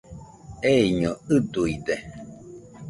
Eiño ɨduide